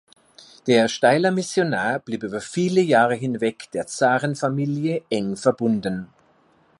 Der Steyler Missionar blieb über viele Jahre hinweg der Zarenfamilie eng verbunden.